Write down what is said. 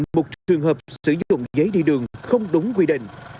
đã xuất hiện một trường hợp sử dụng giấy đi đường không đúng quy định